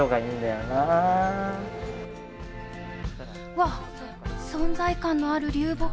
わっ、存在感のある流木。